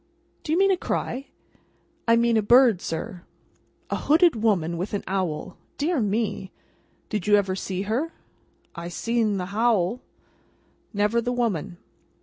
"Do you mean a cry?" "I mean a bird, sir." "A hooded woman with an owl. Dear me! Did you ever see her?" "I seen the howl." "Never the woman?"